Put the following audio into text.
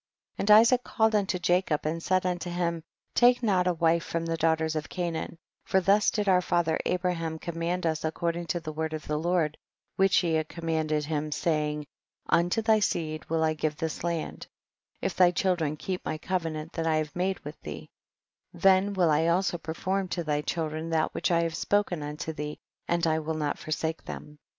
24. And Isaac called unto Jacob and said unto him, take not a wife from the daughters of Canaan, for thus did our father Abraham com mand us according to the word of the Lord which he had commanded him, saying, unto thy seed will I give this land ; if thy children keep my covenant that I have made with thee, then will I also perform to thy child ren that which I have spoken unto thee and I will not forsake them.